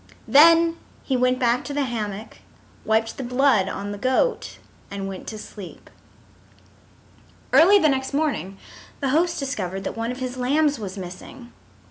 Then he went back to the hammock, wiped the blood on the goat, and went to sleep. Early the next morning the host discovered that one of his lambs was missing.